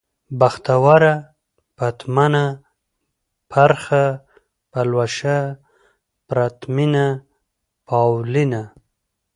بختوره ، پتمنه ، پرخه ، پلوشه ، پرتمينه ، پاولينه